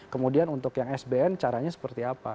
kemudian untuk yang sbn caranya seperti apa